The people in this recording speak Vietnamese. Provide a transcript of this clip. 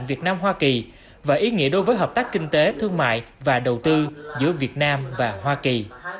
việt nam hoa kỳ và ý nghĩa đối với hợp tác kinh tế thương mại và đầu tư giữa việt nam và hoa kỳ